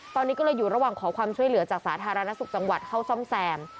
ตอนนี้ก็เลยอยู่ระหว่างขอความช่วยเหลือจากสาธารณสุขจังหวัดเข้าซ่อมแซม